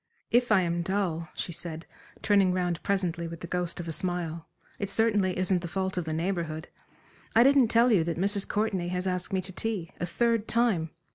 ... "If I am dull," she said, turning round presently with the ghost of a smile "It certainly isn't the fault of the Neighborhood. I didn't tell you that Mrs. Courtenay has asked me to tea a third time.